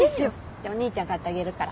じゃお姉ちゃん買ってあげるから。